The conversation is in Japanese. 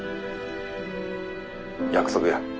約束や。